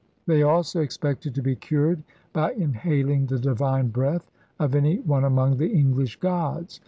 They also expected to be cured by inhaling the divine breath of any one among the English gods.